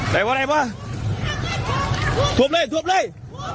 อะไรวะอะไรวะถวบเลยถวบเลย